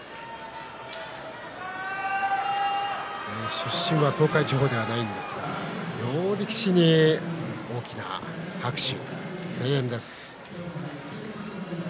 出身は東海地方ではありませんが両力士に大きな拍手、声援です。